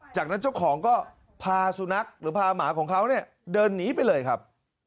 จากนั้นเจ้าของก็พาสุนัขหรือพาหมาของเขาเนี่ยเดินหนีไปเลยครับ